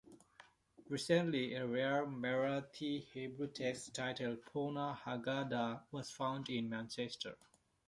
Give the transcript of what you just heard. Recently, a rare Marathi-Hebrew text titled "Poona Haggadah", was found in Manchester.